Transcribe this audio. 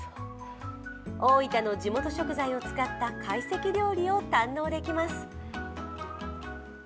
大分の地元食材を使った懐石料理を堪能できます。